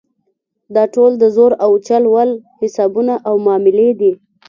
دا ټول د زور او چل ول حسابونه او معاملې دي.